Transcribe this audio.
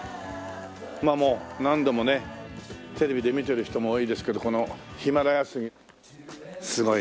まあもう何度もねテレビで見てる人も多いですけどこのヒマラヤ杉。